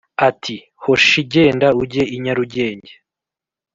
Ati : Hoshi genda ujye i Nyarugenge